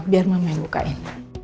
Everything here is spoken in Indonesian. biar mama yang bukain